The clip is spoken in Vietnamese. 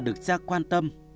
được cha quan tâm